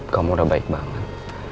kamu udah baik banget